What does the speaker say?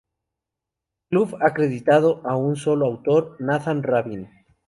Club" acreditado a un solo autor, Nathan Rabin.